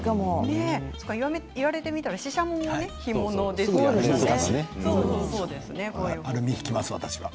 言われてみたらししゃもも干物ですよね。